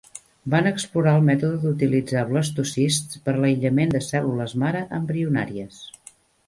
Van explorar el mètode d'utilitzar blastocists per a l'aïllament de cèl·lules mare embrionàries.